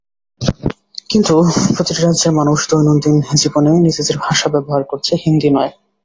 কিন্তু প্রতিটি রাজ্যের মানুষ দৈনন্দিন জীবনে নিজেদের ভাষা ব্যবহার করছে—হিন্দি নয়।